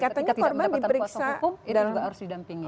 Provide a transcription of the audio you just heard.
ketika tidak mendapatkan kuasa hukum itu juga harus didampingi